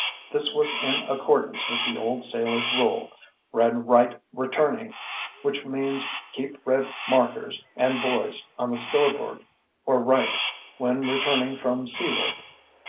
This was in accordance with the old sailors' rule: red right returning, which means keep red markers and buoys on the starboard, or right, when returning from seaward.